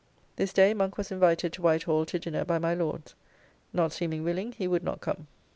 This day Monk was invited to White Hall to dinner by my Lords; not seeming willing, he would not come.